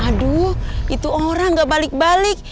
aduh itu orang gak balik balik